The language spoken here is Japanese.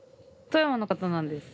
富山の方なんです。